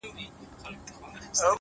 هره تېروتنه د ودې تخم لري